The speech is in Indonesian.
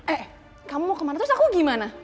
eh kamu mau kemana terus aku gimana